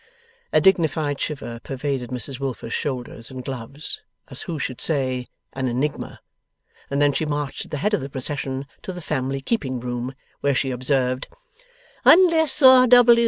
A dignified shiver pervaded Mrs Wilfer's shoulders and gloves, as who should say, 'An Enigma!' and then she marched at the head of the procession to the family keeping room, where she observed: 'Unless, R.